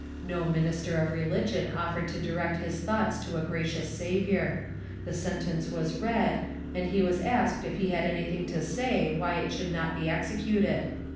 No minister of religion offered to direct his thoughts to a gracious Saviour. The sentence was read, and he was asked if he had anything to say why it should not be executed.